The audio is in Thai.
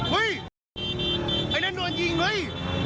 เฮ้ยไอ้นั่นโดนยิงเลย